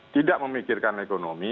tidak memikirkan ekonomi